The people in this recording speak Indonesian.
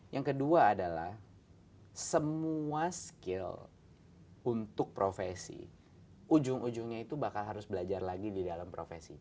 yang kedua adalah semua skill untuk profesi ujung ujungnya itu bakal harus belajar lagi di dalam profesi